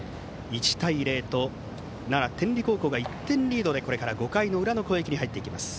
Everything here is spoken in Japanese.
１対０と奈良・天理高校が１点リードでこれから５回の裏の攻撃に入っていきます。